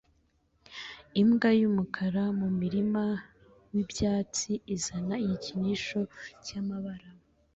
Imbwa yumukara mumurima wibyatsi izana igikinisho cyamabara